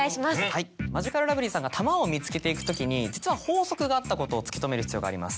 はいマヂカルラブリーさんが玉を見つけていくときに実は法則があったことを突き止める必要があります。